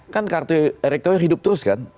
kan kartu erick thohir hidup terus kan